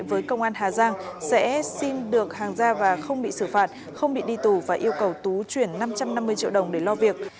với công an hà giang sẽ xin được hàng ra và không bị xử phạt không bị đi tù và yêu cầu tú chuyển năm trăm năm mươi triệu đồng để lo việc